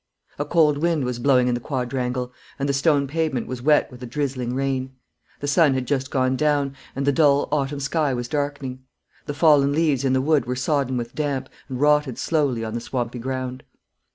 A cold wind was blowing in the quadrangle, and the stone pavement was wet with a drizzling rain. The sun had just gone down, and the dull autumn sky was darkening. The fallen leaves in the wood were sodden with damp, and rotted slowly on the swampy ground.